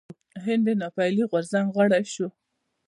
هند د ناپیيلي غورځنګ غړی شو.